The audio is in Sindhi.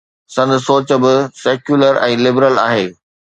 سندس سوچ به سيڪيولر ۽ لبرل آهي.